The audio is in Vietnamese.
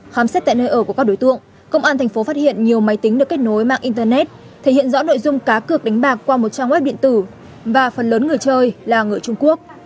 khám xét tại nơi ở của các đối tượng công an thành phố phát hiện nhiều máy tính được kết nối mạng internet thể hiện rõ nội dung cá cược đánh bạc qua một trang web điện tử và phần lớn người chơi là người trung quốc